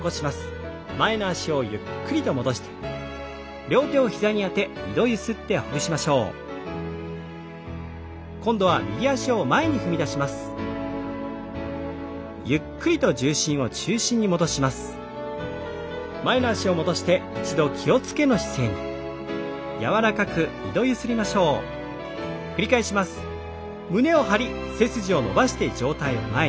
椅子の方も背筋を伸ばして上体を前に。